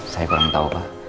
saya kurang tau pak